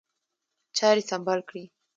چاري سمبال کړي.